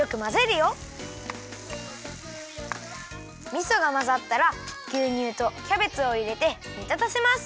みそがまざったらぎゅうにゅうとキャベツをいれてにたたせます。